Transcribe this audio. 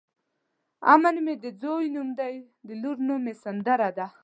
امن مې د ځوی نوم دی د لور نوم مې سندره ده.